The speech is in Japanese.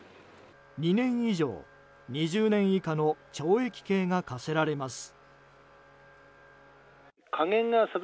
２年以上、２０年以下の懲役刑が科せられます。